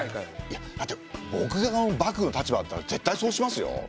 だって僕が幕府の立場だったら絶対そうしますよ。